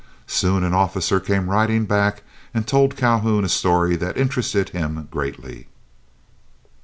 Soon an officer came riding back and told Calhoun a story that interested him greatly.